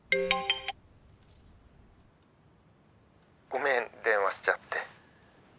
ごめん電話しちゃって。